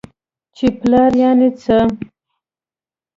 چې پلار يعنې څه؟؟!